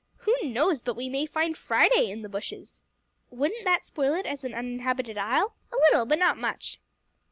Who knows but we may find Friday in the bushes!" "Wouldn't that spoil it as an uninhabited isle?" "A little, but not much."